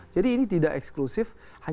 jadi ini tidak eksklusif kita bisa bergabung